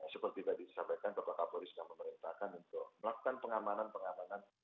seperti tadi disampaikan bapak kapolri sudah memerintahkan untuk melakukan pengamanan pengamanan